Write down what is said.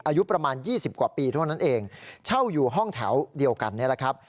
อายุประมาณ๒๐กว่าปีเท่านั้นเองเช่าอยู่ห้องแถวเดียวกันนี่แหละครับ